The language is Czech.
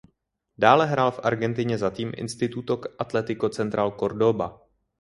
Dále hrál v Argentině za tým Instituto Atlético Central Córdoba.